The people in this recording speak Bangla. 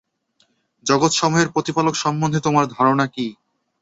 জগতসমূহের প্রতিপালক সম্বন্ধে তোমাদের ধারণা কী?